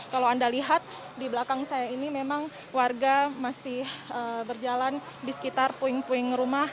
kalau anda lihat di belakang saya ini memang warga masih berjalan di sekitar puing puing rumah